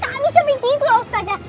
tak bisa begitu ustazah